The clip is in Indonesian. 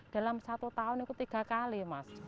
dalam satu tahun itu tiga kali mas